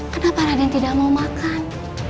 kenapa raden tidak mau makan